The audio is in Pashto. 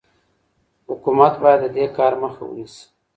حکومت باید د دې کار مخه ونیسي.